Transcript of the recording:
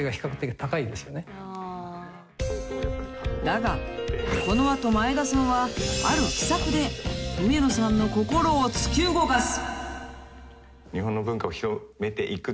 ［だがこの後前田さんはある秘策で上野さんの心を突き動かす］